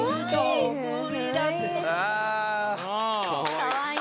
かわいい。